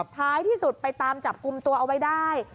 ท้ายที่สุดไปตามจับกลุ่มตัวเอาไว้ได้